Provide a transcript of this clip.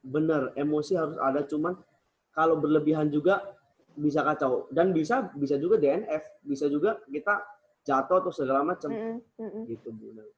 benar emosi harus ada cuma kalau berlebihan juga bisa kacau dan bisa juga dnf bisa juga kita jatuh atau segala macam gitu